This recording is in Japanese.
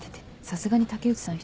さすがに竹内さん